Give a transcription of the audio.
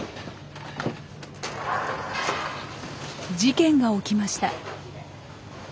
事件が起きました。